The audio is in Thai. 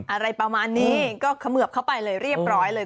อะไรประมาณนี้ก็เขมือบเข้าไปเลยเรียบร้อยเลย